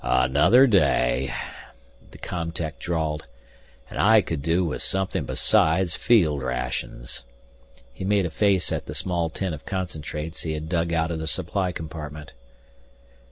"Another day," the com tech drawled. "And I could do with something besides field rations." He made a face at the small tin of concentrates he had dug out of the supply compartment.